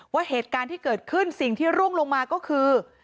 ว่าเหตุการณ์ที่เกิดขึ้นสิ่งที่ร่วงลงมาก็คือ